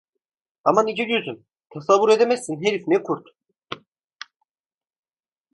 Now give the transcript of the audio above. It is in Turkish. Aman iki gözüm, tasavvur edemezsin herif ne kurt.